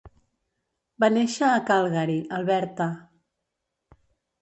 Va néixer a Calgary, Alberta.